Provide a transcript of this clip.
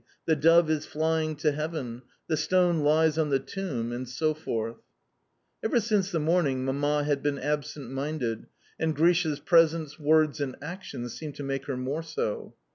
The dove is flying to heaven! The stone lies on the tomb!" and so forth. Ever since the morning Mamma had been absent minded, and Grisha's presence, words, and actions seemed to make her more so.